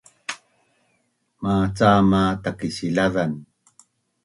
macam ma Takisilazan